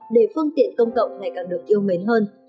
để phương tiện công cộng ngày càng được yêu mến hơn